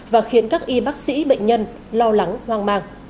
và khiến các y bác sĩ bệnh nhân lo lắng hoang mang